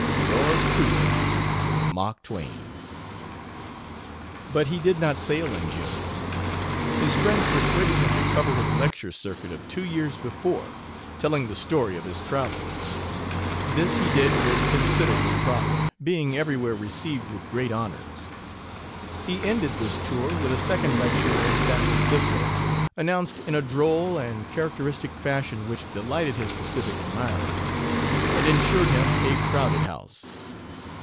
Yrs truly, MARK TWAIN. But he did not sail in June. His friends persuaded him to cover his lecture circuit of two years before, telling the story of his travels. This he did with considerable profit, being everywhere received with great honors. He ended this tour with a second lecture in San Francisco, announced in a droll and characteristic fashion which delighted his Pacific admirers, and insured him a crowded house.